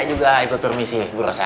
kalau begitu uya juga ikut permisi bu rosa